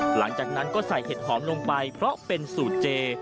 หลังจากนั้นก็ใส่เห็ดหอมลงไปเพราะเป็นสูตรเจ